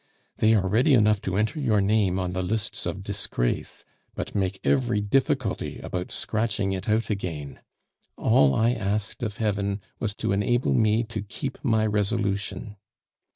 They are ready enough to enter your name on the lists of disgrace, but make every difficulty about scratching it out again. All I asked of Heaven was to enable me to keep my resolution.